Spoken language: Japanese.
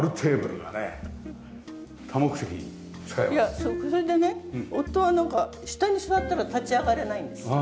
いやそれでね夫はなんか下に座ったら立ち上がれないんですよ。